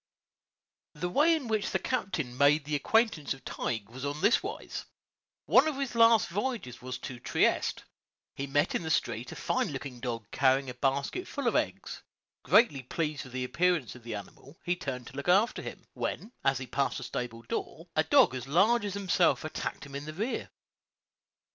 The way in which the captain made the acquaintance of Tige was on this wise: One of his last voyages was to Trieste; he met in the street a fine looking dog carrying a basket full of eggs; greatly pleased with the appearance of the animal, he turned to look after him, when, as he passed a stable door, a dog as large as himself attacked him in the rear.